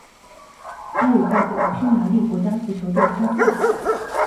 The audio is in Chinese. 他也代表匈牙利国家足球队参赛。